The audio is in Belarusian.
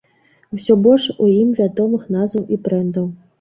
Усё больш у ім вядомых назваў і брэндаў.